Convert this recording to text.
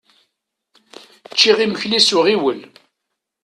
Ččiɣ imekli s uɣiwel.